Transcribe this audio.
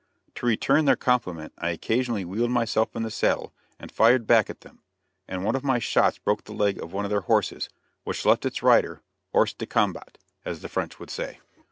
To return their compliment I occasionally wheeled myself in the saddle and fired back at them, and one of my shots broke the leg of one of their horses, which left its rider hors(e) de combat, as the French would say.